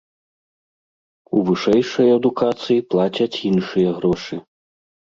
У вышэйшай адукацыі плацяць іншыя грошы.